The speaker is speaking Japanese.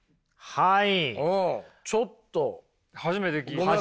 はい。